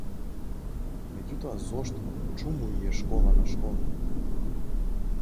Меѓутоа зошто, чуму ѝ е школа на школа?